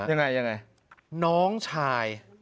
ยังไง